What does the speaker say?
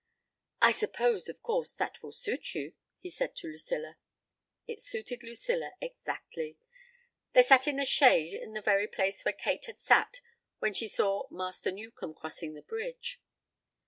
I suppose, of course, that will suit you?" he said to Lucilla. It suited Lucilla exactly. They sat in the shade in the very place where Kate had sat when she saw Master Newcombe crossing the bridge.